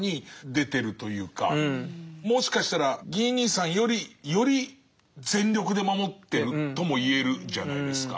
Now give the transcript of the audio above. もしかしたらギー兄さんよりより全力で守ってるとも言えるじゃないですか。